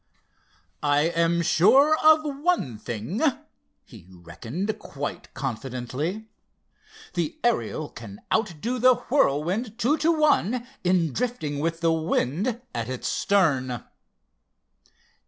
"I am sure of one thing," he reckoned quite confidently; "the Ariel can outdo the Whirlwind two to one in drifting with the wind at its stern."